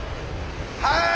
はい！